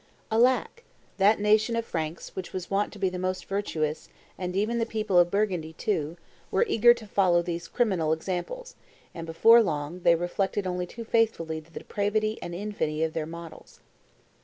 Alack! that nation of Franks, which was wont to be the most virtuous, and even the people of Burgundy, too, were eager to follow these criminal examples, and before long they reflected only too faithfully the depravity and infamy of their models."